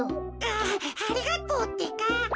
ありがとうってか。